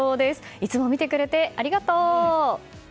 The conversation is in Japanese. いつも見てくれてありがとう！